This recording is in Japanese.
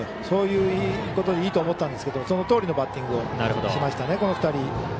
そういうことでいいと思ったんですけどそのとおりのバッティングをしました、この２人。